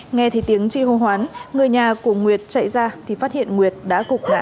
nghe thấy tiếng chi hô hoán người nhà của nguyệt chạy ra thì phát hiện nguyệt đã cục ngã